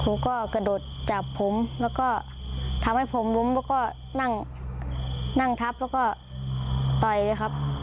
ผมก็กระโดดจับผมแล้วก็ทำให้ผมล้มแล้วก็นั่งทับแล้วก็ต่อยเลยครับ